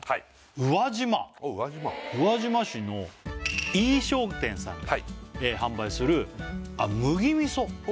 宇和島市の宇和島井伊商店さんが販売する麦味噌